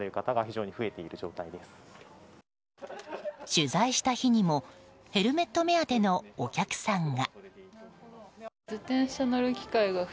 取材した日にもヘルメット目当てのお客さんが。